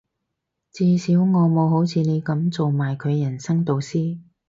至少我冇好似你噉做埋佢人生導師